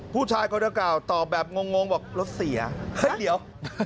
ผู้ชายเขาเต่ากล่าวต่อแบบงงบอกรถเซี่ยเฮ้ยเดี๋ยว